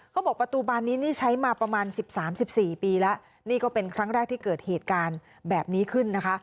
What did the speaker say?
เขาบอกประตูบานนี้นี่ใช้มาประมาณสิบสามสิบสี่ปีแล้วนี่ก็เป็นครั้งแรกที่เกิดเหตุการณ์แบบนี้ขึ้นนะคะ